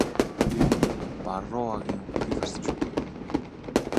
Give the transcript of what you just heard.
Та Барруагийн үхэхийг харсан шүү дээ?